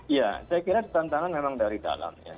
iya saya kira tantangan memang dari dalam ya